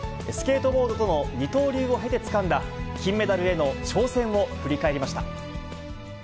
スケートボードとの二刀流を経てつかんだ、金メダルへの挑戦を振り返りました。